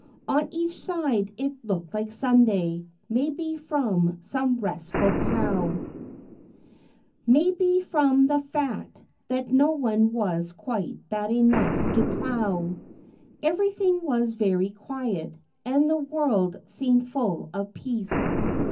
On each side it look¬ ed like Sunday, maybe from some restful cow; Maybe from the fact that no one was quite bad enough to plow. Everything was very quiet, and the world seemed full of peace.